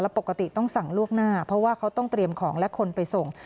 ปกติต้องสั่งล่วงหน้าเพราะว่าเขาต้องเตรียมของและคนไปส่ง